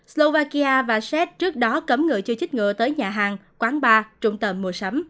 slovakia và xét trước đó cấm người chưa chích ngựa tới nhà hàng quán bar trung tâm mùa sắm